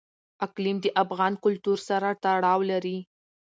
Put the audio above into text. اقلیم د افغان کلتور سره تړاو لري.